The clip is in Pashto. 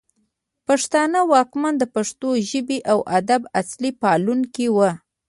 پښتانه واکمن د پښتو ژبې او ادب اصلي پالونکي وو